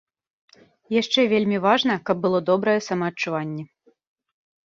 Яшчэ вельмі важна, каб было добрае самаадчуванне.